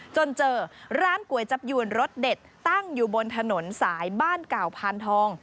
จนเจอร้านก๋วยจับยวนรสเด็ดตั้งอยู่บนถนนสายบ้านเก่าพานทอง